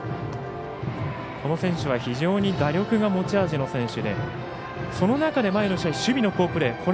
この選手は非常に打力が持ち味の選手でその中で前の試合守備の好プレー。